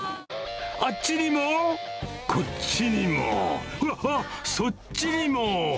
あっちにも、こっちにも、ほら、そっちにも。